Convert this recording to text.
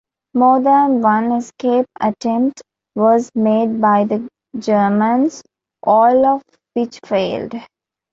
More than one escape attempt was made by the Germans, all of which failed.